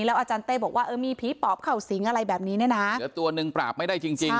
อาจารย์เต้บอกว่าเออมีผีปอบเข้าสิงอะไรแบบนี้เนี่ยนะเหลือตัวหนึ่งปราบไม่ได้จริงจริง